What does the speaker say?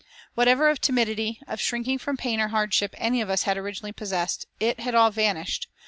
Whatever of timidity, of shrinking from pain or hardship any of us had originally possessed, it had all vanished.